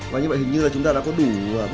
và như vậy hình như là chúng ta đã có đủ